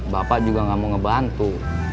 bapak juga gak mau ngebantu